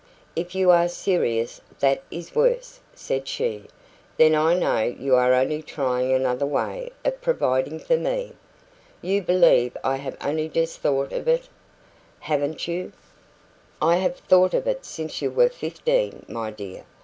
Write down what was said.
"If you are serious, that is worse," said she. "Then I know you are only trying another way of providing for me." "You believe I have only just thought of it?" "Haven't you?" "I have thought of it since you were fifteen, my dear.